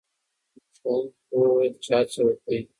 ښوونکی وویل چې هڅه وکړئ.